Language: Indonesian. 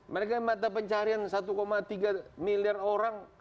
mereka mata pencarian satu tiga miliar orang